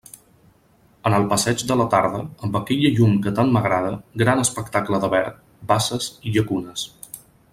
En el passeig de la tarda, amb aquella llum que tant m'agrada, gran espectacle de verd, basses i llacunes.